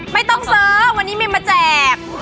ไม่ต้องเซอร์วันนี้ไม่มาแจก